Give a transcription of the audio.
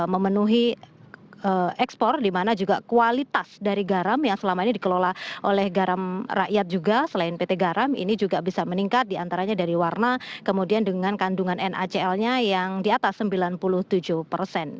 memenuhi ekspor dimana juga kualitas dari garam yang selama ini dikelola oleh garam rakyat juga selain pt garam ini juga bisa meningkat diantaranya dari warna kemudian dengan kandungan nacl nya yang di atas sembilan puluh tujuh persen